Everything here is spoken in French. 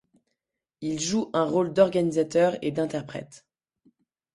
Il joue un rôle d'organisateur et d'interprète.